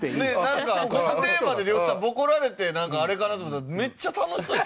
なんかこのテーマで呂布さんボコられてなんかあれかなと思ったらめっちゃ楽しそうでしたね。